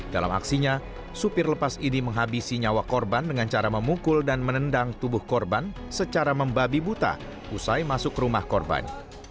dalam aksinya supir lepas ini menghabisi nyawa korban dengan cara memukul dan menendang tubuh korban secara membabi buta usai masuk rumah korban